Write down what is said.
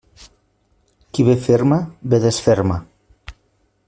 Qui bé ferma, bé desferma.